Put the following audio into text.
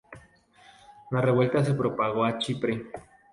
La revuelta se propagó a Chipre.